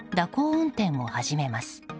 運転を始めます。